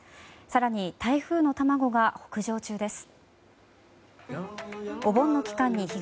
更に台風の卵が北上中です。